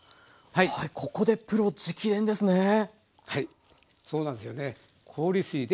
はいここでプロ直伝ですね。